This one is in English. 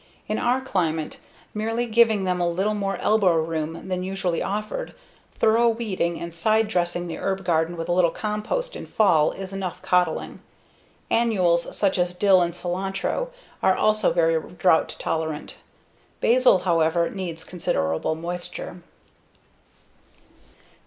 In our climate, merely giving them a little more elbow room than usually offered, thorough weeding, and side dressing the herb garden with a little compost in fall is enough coddling. Annuals such as dill and cilantro are also very drought tolerant. Basil, however, needs considerable moisture.